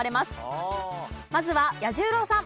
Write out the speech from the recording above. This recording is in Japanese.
まずは彌十郎さん。